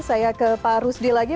saya ke pak rusdi lagi